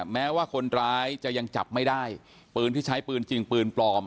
แม้ว่าคนร้ายจะยังจับไม่ได้ปืนที่ใช้ปืนจริงปืนปลอม